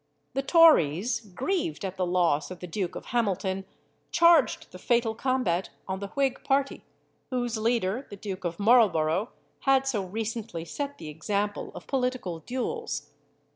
The Tories, grieved at the loss of the Duke of Hamilton, charged the fatal combat on the Whig party, whose leader, the Duke of Marlborough, had so recently set the example of political duels.